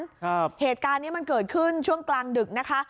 ครับเหตุการณ์เนี้ยมันเกิดขึ้นช่วงกลางดึกนะคะ